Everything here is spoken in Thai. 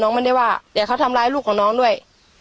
น้องไม่ได้ว่าเดี๋ยวเขาทำร้ายลูกของน้องด้วย